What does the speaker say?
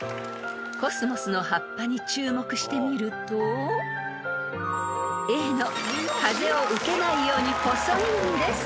［コスモスの葉っぱに注目してみるとＡの風を受けないように細いんです］